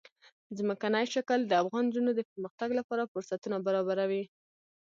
ځمکنی شکل د افغان نجونو د پرمختګ لپاره فرصتونه برابروي.